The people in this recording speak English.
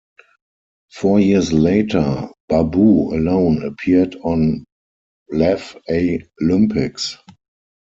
Four years later, Babu alone appeared on Laff-A-Lympics.